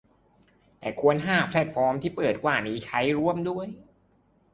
แต่ควรหาแพลตฟอร์มที่เปิดกว่านี้ใช้ร่วมด้วย